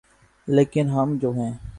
‘ لیکن ہم جو ہیں۔